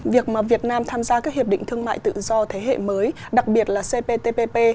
việc mà việt nam tham gia các hiệp định thương mại tự do thế hệ mới đặc biệt là cptpp